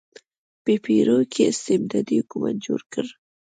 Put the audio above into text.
په پیرو کې استبدادي حکومت جوړ کړ.